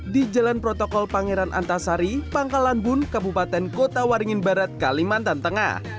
di jalan protokol pangeran antasari pangkalanbun kabupaten kota waringin barat kalimantan tengah